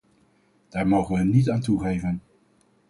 Daar mogen we niet aan toegeven.